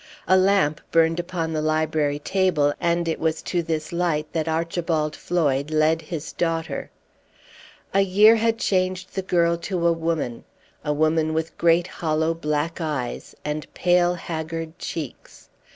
A lamp burned upon the library table, and it was to this light that Archibald Floyd led his daughter. A year had changed the girl to a woman a woman with great hollow black eyes, and pale, haggard cheeks.